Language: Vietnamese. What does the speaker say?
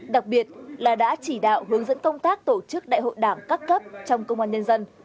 đặc biệt là đã chỉ đạo hướng dẫn công tác tổ chức đại hội đảng các cấp trong công an nhân dân